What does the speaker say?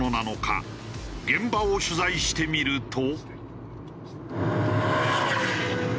現場を取材してみると。